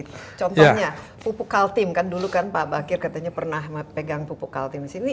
contohnya pupuk kaltim kan dulu kan pak bakir katanya pernah pegang pupuk kaltim di sini